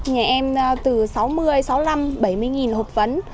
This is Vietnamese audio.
nhà em từ sáu mươi sáu mươi năm bảy mươi nghìn hộp